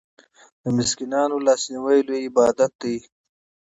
د مسکینانو لاسنیوی لوی عبادت دی.